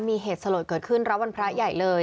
มีเหตุสลดเกิดขึ้นรับวันพระใหญ่เลย